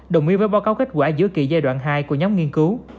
đồng ý với báo cáo kết quả giữa kỳ giai đoạn hai của nhóm nghiên cứu